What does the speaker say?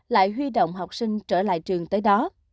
lại huy động học sinh trở lại trường tới đó